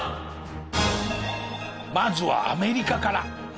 まずはアメリカから。